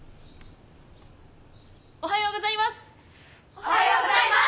おはようございます。